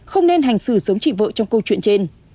không nên hành xử sống chị vợ trong câu chuyện trên